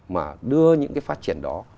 mà đưa những cái phát triển đó